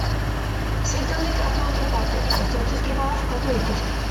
Sei taldek hartu dute parte eta zortzi estropada jokatu dituzte.